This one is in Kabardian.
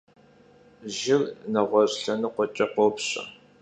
Jır neğueş' lhenıkhueç'e khopşe.